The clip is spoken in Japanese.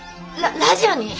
ララジオに？